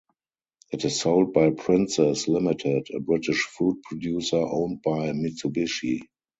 It is sold by Princes Limited, a British food producer owned by Mitsubishi.